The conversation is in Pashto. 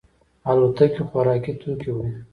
الوتکې خوراکي توکي وړي.